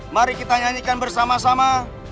mari kita nyanyikan bersama sama